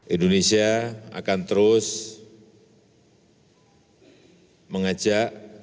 indonesia akan terus mengajak